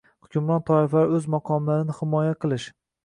Hukmron toifalar o‘z maqomlarini himoya qilish